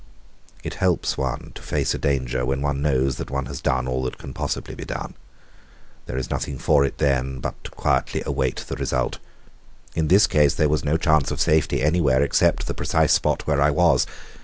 It helps one to face a danger when one knows that one has done all that possibly can be done. There is nothing for it then but to quietly await the result. In this case, there was no chance of safety anywhere except the precise spot where I was.